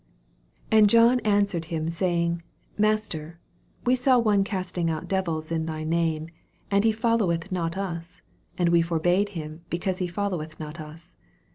38 And John answered him, saying, Master, we saw one casting out devils in thy name, and he followeth not us : and we forbad him, because he follow eth not us.